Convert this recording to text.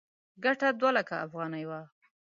ګټه دوه لکه افغانۍ وه.